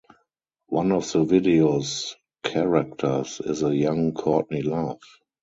One of the video's characters is a young Courtney Love.